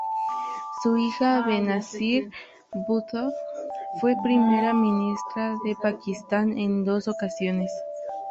Su hija Benazir Bhutto fue primera ministra de Pakistán en dos ocasiones.